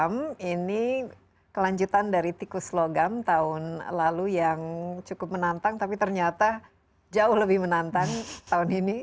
ini kelanjutan dari tikus logam tahun lalu yang cukup menantang tapi ternyata jauh lebih menantang tahun ini